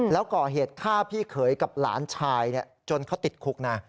แล้วก่อเหตุฆ่าพี่เขยกับหลานชายจนเขาติดคุกนะ